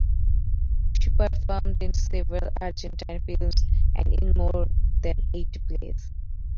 She performed in several Argentine films and in more than eighty plays.